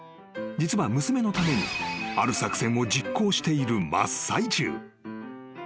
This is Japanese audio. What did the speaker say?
［実は娘のためにある作戦を実行している真っ最中］